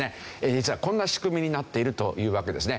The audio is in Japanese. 実はこんな仕組みになっているというわけですね。